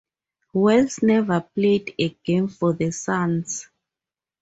Wells never played a game for the Suns.